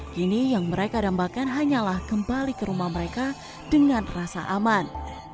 kini yang mereka dambakan hanyalah kembali ke rumah mereka dengan rasa aman